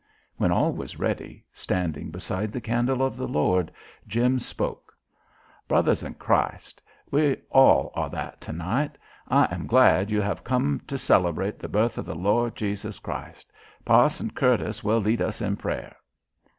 When all was ready, standing beside the Candle of the Lord, Jim spoke: "Brothers in Christ, we all are that tonight. I am glad you have come to celebrate the birth of the Lord Jesus Christ. Pa'son Curtis will lead us in prayer."